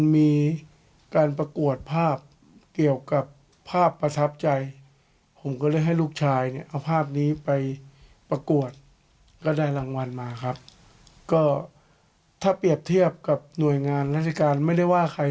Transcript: มันจะเข้าอย่างนั้นไม่ได้